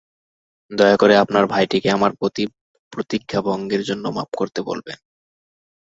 দয়া করে আপনার ভাইকে আমার প্রতিজ্ঞাভঙ্গের জন্য মাপ করতে বলবেন।